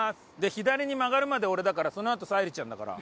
左に曲がるまで俺だからそのあと沙莉ちゃんだから。